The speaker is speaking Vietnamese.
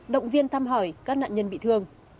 động viên thăm hỏi các nạn nhân bị thương